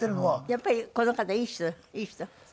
やっぱりこの方いい人？